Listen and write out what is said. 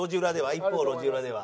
一方路地裏では？